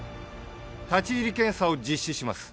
立入検査を実施します。